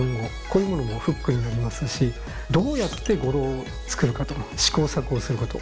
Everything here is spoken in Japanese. こういうものもフックになりますしどうやって語呂を作るかと試行錯誤すること。